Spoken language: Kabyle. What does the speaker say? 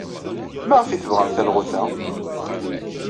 Maɣef ay tebɣam talɣut-a?